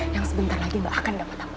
yang sebentar lagi gak akan dapat tambah